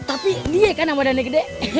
tapi ini kan yang badannya gede